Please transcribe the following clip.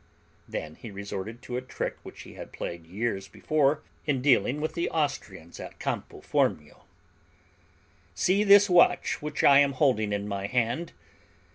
Then he resorted to a trick which he had played years before in dealing with the Austrians at Campo Formio. "See this watch which I am holding in my hand.